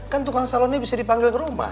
kan tukang salonnya bisa dipanggil ke rumah